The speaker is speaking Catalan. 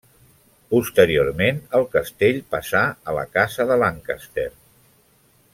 Posteriorment el castell passà a la casa de Lancaster.